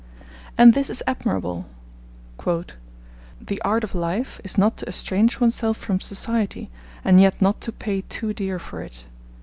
And this is admirable: 'The art of life is not to estrange oneself from society, and yet not to pay too dear for it.'